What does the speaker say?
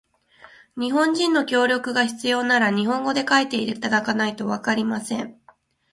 日本人の協力が必要なら、日本語で書いていただかないとわかりません。